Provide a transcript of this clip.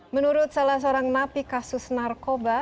menurut salah seorang napi kasus narkoba